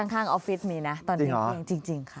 ข้างออฟฟิศมีปล่อยจริงค่ะ